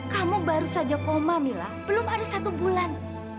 kamu baru saja koma mila belum ada satu bulan